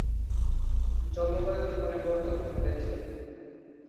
জলবায়ুর পরিবর্তন ঘটছে।